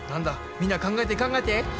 みんな考えて考えて！